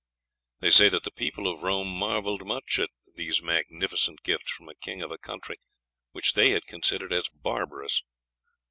They say that the people of Rome marvelled much at these magnificent gifts from a king of a country which they had considered as barbarous.